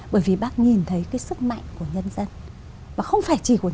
bởi vì bác nhìn thấy cái sức mạnh của nhân dân